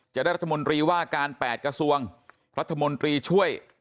จะได้รัฐมนตรีว่าการ๘กระทรวงรัฐมนตรีช่วย